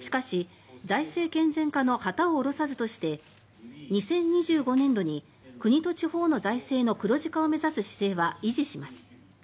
しかし、財政健全化の旗を降ろさずとして２０２５年度に国と地方の財政の黒字化を目指す姿勢は維持します。